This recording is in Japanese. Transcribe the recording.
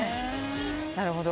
なるほど。